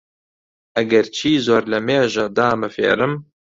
ئەگەرچی زۆر لەمێژە دامە فێرم